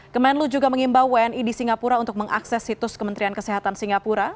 kemenlu juga mengimbau wni di singapura untuk mengakses situs kementerian kesehatan singapura